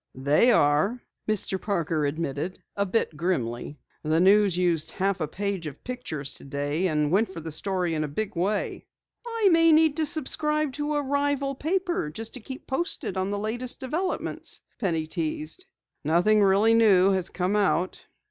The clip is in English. "They are," Mr. Parker admitted a bit grimly. "The News used a half page of pictures today and went for the story in a big way." "I may subscribe to a rival paper just to keep posted on the latest developments," Penny teased. "Nothing really new has come out.